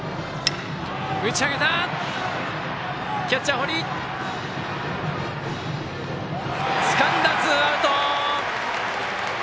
キャッチャー、堀がとってツーアウト。